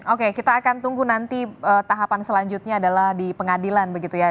oke kita akan tunggu nanti tahapan selanjutnya adalah di pengadilan begitu ya